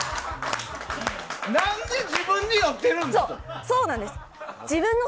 何で、自分に酔ってるんだと。